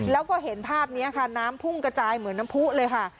แล้วก็เห็นภาพนี้ค่ะน้ำพุ่งกระจายเหมือนน้ำผู้เลยค่ะ